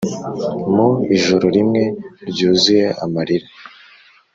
mu ijoro rimwe ryuzuye amarira,